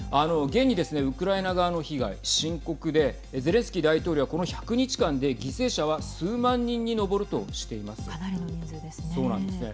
現にですねウクライナ側の被害、深刻でゼレンスキー大統領はこの１００日間で犠牲者はかなりの人数ですね。